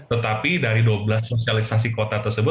tetapi dari dua belas sosialisasi kota tersebut